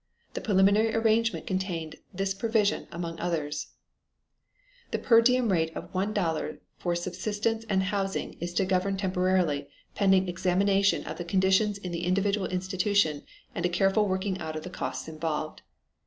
The preliminary arrangement contained this provision, among others: The per diem rate of $1 for subsistence and housing is to govern temporarily, pending examination of the conditions in the individual institution and a careful working out of the costs involved.